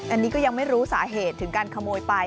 อันนี้ก็ยังไม่รู้สาเหตุถึงการขโมยไป